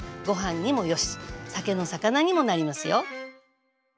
ご飯にもよし酒の肴にもなりますよ。